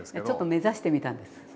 ちょっと目指してみたんです。